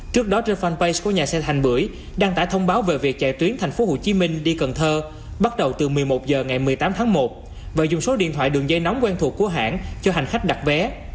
trước đó trên fanpage của nhà xe thành bưởi đăng tải thông báo về việc chạy tuyến tp hcm đi cần thơ bắt đầu từ một mươi một h ngày một mươi tám tháng một và dùng số điện thoại đường dây nóng quen thuộc của hãng cho hành khách đặt vé